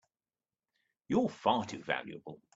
You're far too valuable!